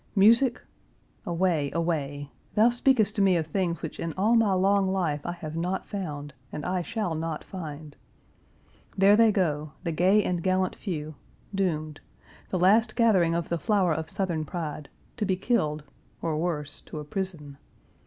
Music? Away, away! Thou speakest to me of things which in all my long life I have not found, and I shall not find. There they go, the gay and gallant few, doomed; the last gathering of the flower of Southern pride, to be killed, or worse, to a prison.